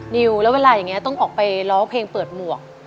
นิวแล้วเวลาอย่างนี้ต้องออกไปร้องเพลงเปิดหมวก